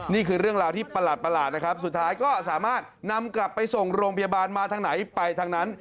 นี่คือเรื่องราวที่ประหลาดนะครับสุดท้ายก็สามารถนำกลับไปส่งโรงพยาบาลมาทางไหนไปทางนั้น